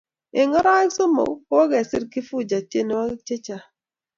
eng oroek somok, kokiser Kifuja tienwogik chechang